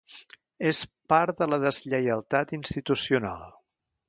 És part de la deslleialtat institucional.